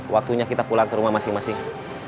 waktunya kita pulang ke rumah masing masing